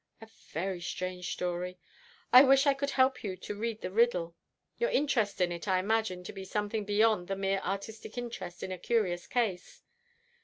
"A very strange story. I wish I could help you to read the riddle. Your interest in it I imagine to be something beyond the mere artistic interest in a curious case."